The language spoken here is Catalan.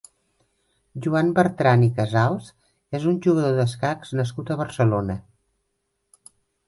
Joan Bertran i Casals és un jugador d'escacs nascut a Barcelona.